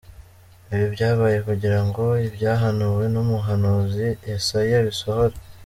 Ibi byabaye kugira ngo ibyahanuwe n’umuhanuzi Yesaya bisohore.